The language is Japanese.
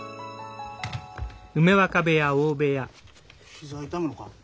膝痛むのか？